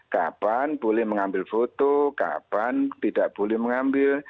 kapan boleh mengambil foto kapan tidak boleh mengambil